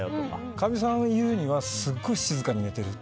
かみさんが言うにはすごい静かに寝てるって。